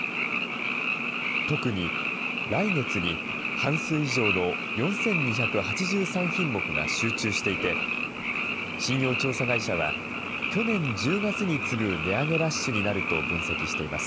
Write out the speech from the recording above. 特に来月に半数以上の４２８３品目が集中していて、信用調査会社は、去年１０月に次ぐ値上げラッシュになると分析しています。